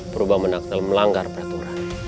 berubah menaktil melanggar peraturan